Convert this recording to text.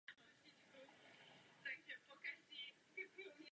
Ta se rovněž stala malířkou.